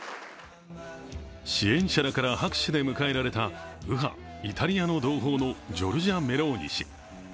支援者らから拍手で迎えられた右派・イタリアの同胞のジョルジャ・メローニ氏。